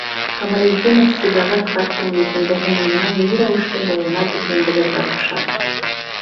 Камалетдинов Сибәғәт ҡарттың битендәге миңенең ни рәүешле булыуына тиклем белергә ҡуша.